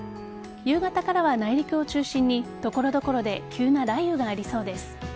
夕方からは内陸を中心に所々で急な雷雨がありそうです。